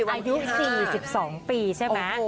อายุ๔๒ปีใช่ไหม